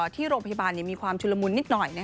ที่โรงพยาบาลมีความชุลมุนนิดหน่อย